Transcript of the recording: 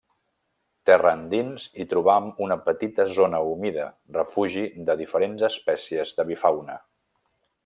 Terra endins hi trobam una petita zona humida, refugi de diferents espècies d'avifauna.